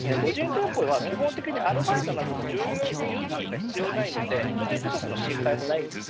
無人店舗は基本的にアルバイトなどの従業員が必要ないので人手不足の心配もありません。